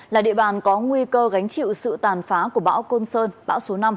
là địa bàn có nguy cơ gánh chịu sự tàn phá của bão côn sơn bão số năm